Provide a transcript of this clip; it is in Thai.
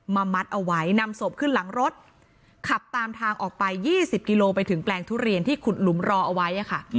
มัดเอาไว้นำศพขึ้นหลังรถขับตามทางออกไป๒๐กิโลไปถึงแปลงทุเรียนที่ขุดหลุมรอเอาไว้ค่ะ